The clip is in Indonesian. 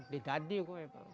tidak ada apa apa